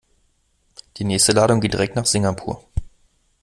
Die nächste Ladung geht direkt nach Singapur.